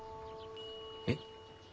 えっ？